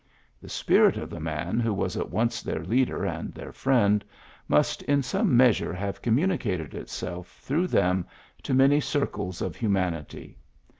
The spirit of the man who was at once their leader and their friend must in some measure have communicated itself through them to many circles of human ity.